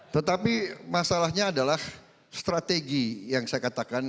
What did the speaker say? tetapi masalahnya adalah strategi yang saya katakan